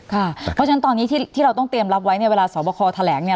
เพราะฉะนั้นตอนนี้ที่เราต้องเตรียมรับไว้เนี่ยเวลาสอบคอแถลงเนี่ย